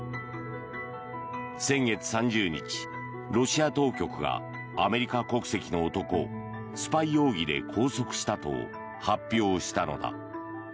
先月３０日、ロシア当局がアメリカ国籍の男をスパイ容疑で拘束したと発表したのだ。